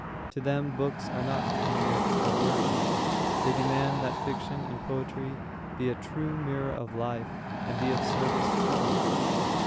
To them books are not a mere diversion. They demand that fiction and poetry be a true mirror of life and be of service to life.